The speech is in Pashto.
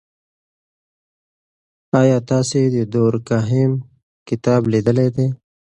آیا تاسې د دورکهایم کتاب لیدلی دی؟